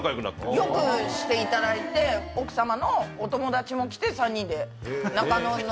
良くしていただいて奥様のお友達も来て３人で。